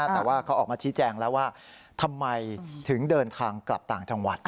แต่ว่าเขาออกมาชี้แจงแล้วว่าทำไมถึงเดินทางกลับต่างจังหวัด